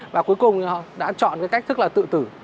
và cuối cùng họ đã chọn cái cách thức là tự tử